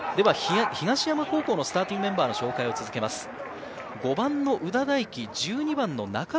東山高校のスターティングメンバーの紹介を続けます。